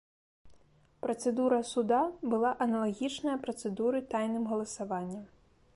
Працэдура суда была аналагічная працэдуры тайным галасаваннем.